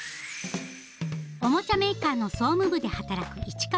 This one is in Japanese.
おもちゃメーカーの総務部で働く市川さん。